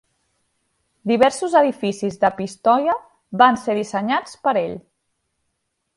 Diversos edificis de Pistoia van ser dissenyats per ell.